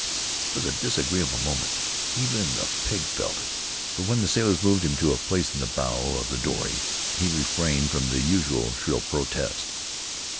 "It was a disagreeable moment. Even the pig felt it, for when the sailors moved him to a place in the bow of the dory he refrained from the usual shrill protest.